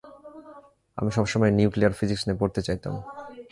আমি সবসময় nuclear physics নিয়ে পড়তে চাইতাম।